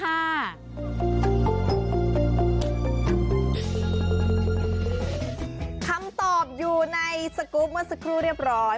คำตอบอยู่ในสกรูปเมื่อสักครู่เรียบร้อย